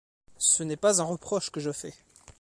Ce n’est pas un reproche que je fais.